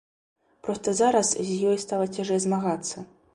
Проста зараз з ёй стала цяжэй змагацца.